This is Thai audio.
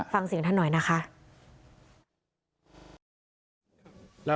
ฟังเสียงท่านหน่อยนะคะ